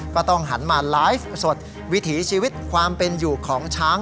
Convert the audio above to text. ก็ต้องหันมาไลฟ์สดวิถีชีวิตความเป็นอยู่ของช้าง